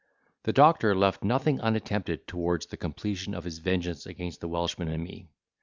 The doctor left nothing unattempted towards the completion of his vengeance against the Welshman and me.